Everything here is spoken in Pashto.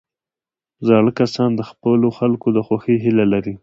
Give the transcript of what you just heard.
زاړه کسان د خپلو خلکو د خوښۍ هیله لري